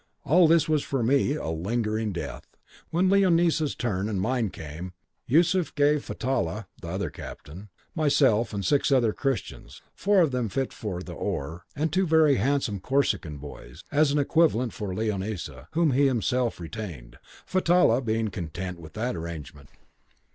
All this was for me a lingering death. "When Leonisa's turn and mine came, Yusuf gave Fatallah (the other captain) myself and six other Christians, four of them fit for the oar, and two very handsome Corsican boys, as an equivalent for Leonisa, whom he himself retained; Fatallah being content with that arrangement.